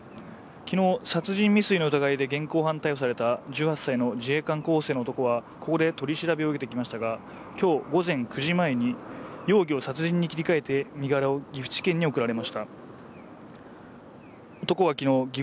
昨日殺人未遂の疑いで現行犯逮捕された１８歳の自衛官候補生の男はここで取り調べを受けていましたが、今日午前９時前に容疑を殺人に切り替えて身柄を岐阜地検に送られました。